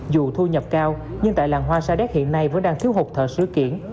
dù thu nhập cao nhưng tại làng hoa sa đéc hiện nay vẫn đang thiếu hụt thợ sửa kiển